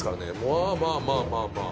まあまあまあまあまあ。